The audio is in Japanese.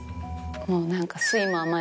もう何か。